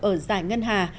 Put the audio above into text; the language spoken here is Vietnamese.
ở giải ngân hà